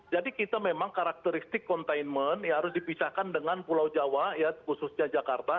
jadi kita memang karakteristik containment ya harus dipisahkan dengan pulau jawa khususnya jakarta